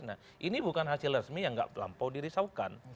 nah ini bukan hasil resmi yang nggak lampau dirisaukan